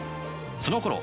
そのころ